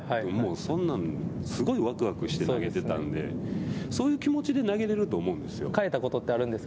そんなん、すごいわくわくして投げてたんでそういう気持ちで投げれると思う変えたことってあるんですか